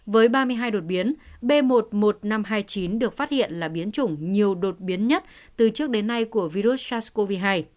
với ba mươi hai đột biến b một mươi một nghìn năm trăm hai mươi chín được phát hiện là biến chủng nhiều đột biến nhất từ trước đến nay của virus sars cov hai